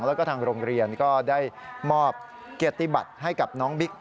แล้วก็ทางโรงเรียนก็ได้มอบเกียรติบัติให้กับน้องบิ๊ก